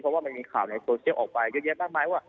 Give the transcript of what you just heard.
เพราะมีข่าวในโซเชียลออกไปเยอะแยะมากเลย